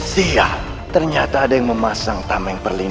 siar ternyata ada yang memasang tameng perlimingan